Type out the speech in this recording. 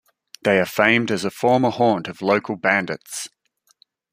They are famed as a former haunt of local bandits.